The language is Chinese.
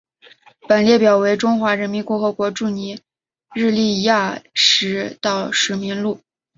本列表为中华人民共和国驻尼日利亚历任大使名录。